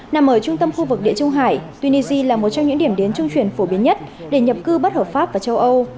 nằm ở trung tâm khu vực địa trung hải tunisia là một trong những điểm đến trung chuyển phổ biến nhất để nhập cư bất hợp pháp vào châu âu